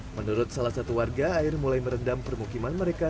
menurut salah satu warga air mulai merendam permukiman mereka